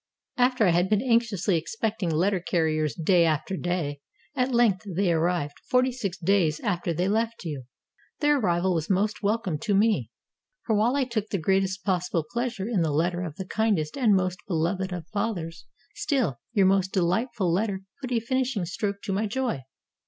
] After I had been anxiously expecting letter carriers day after day, at length they arrived forty six days after they left you. Their arrival was most welcome to me: for while I took the greatest possible pleasure in the letter of the kindest and most beloved of fathers, still your most delightful letter put a finishing stroke to my joy.